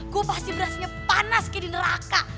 gue pasti berhasilnya panas kayak di neraka